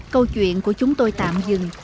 câu chuyện của chúng tôi tạm dừng